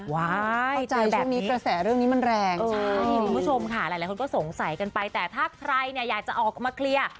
ว้ายตัวแบบนี้ใช่คุณผู้ชมค่ะหลายคนก็สงสัยกันไปแต่ถ้าใครเนี่ยอยากจะออกมาเคลียร์